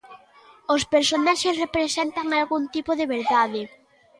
Os personaxes representan algún tipo de verdade.